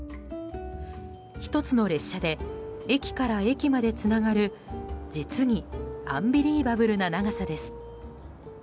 １つの列車で駅から駅までつながる実にアンビリーバブルな長さです。